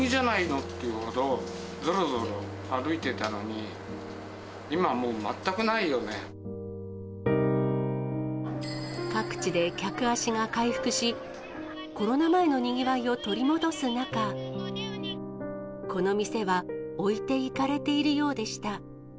っていうほど、ぞろぞろ歩いてたのに、今はもう、各地で客足が回復し、コロナ前のにぎわいを取り戻す中、この店は、置いていかれているよ